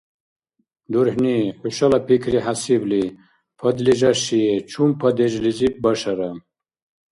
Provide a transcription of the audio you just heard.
ДурхӀни, хӀушала пикри хӀясибли, подлежащее чум падежлизиб башара?